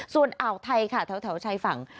ส่วนอ่าวไทยค่ะแถวชายฝั่ง